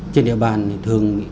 trên địa bàn thì thường các đối tượng